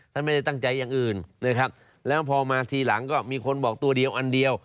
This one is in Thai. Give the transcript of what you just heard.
ไม่ได้ตั้งใจอย่างอื่นนะครับแล้วพอมาทีหลังก็มีคนบอกตัวเดียวอันเดียว